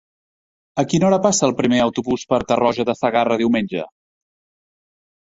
A quina hora passa el primer autobús per Tarroja de Segarra diumenge?